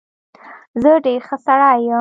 زه ډېر ښه سړى يم.